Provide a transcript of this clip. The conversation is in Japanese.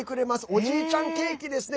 おじいちゃんケーキですね。